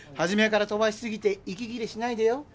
初めから飛ばし過ぎて息切れしないでよ。